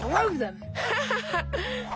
ハハハハハ！